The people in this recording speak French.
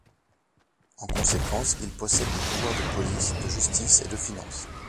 En conséquence, ils possèdent des pouvoirs de police, de justice et de finances.